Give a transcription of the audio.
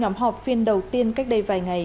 nhóm họp phiên đầu tiên cách đây vài ngày